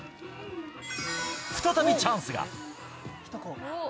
再びチャンスが。